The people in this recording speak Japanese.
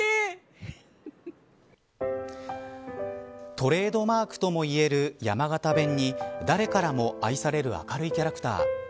トレードマークともいえる山形弁に誰からも愛される明るいキャラクター。